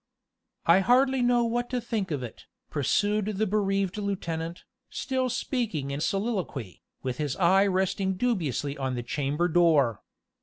"I hardly know what to think of it," pursued the bereaved lieutenant, still speaking in soliloquy, with his eye resting dubiously on the chamber door.